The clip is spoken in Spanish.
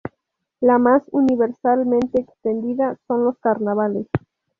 La más universalmente extendida son los Carnavales.